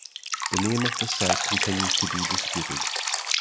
The name of the site continues to be disputed.